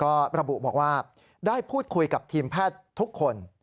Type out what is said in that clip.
ก็ระบุบอกว่าได้พูดคุยกับทีมแพทย์ทุกคน